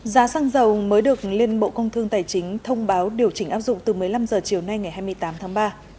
giá xăng dầu mới được liên bộ công thương tài chính thông báo điều chỉnh áp dụng từ một mươi năm h chiều nay ngày hai mươi tám tháng ba